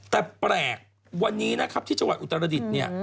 แต่แปลกวันนี้นะครับที่จังหวัดอุตรดิษฐ์เนี่ย